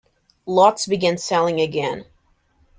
Lots began selling again.